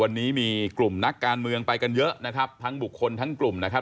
วันนี้มีกลุ่มนักการเมืองไปกันเยอะนะครับทั้งบุคคลทั้งกลุ่มนะครับ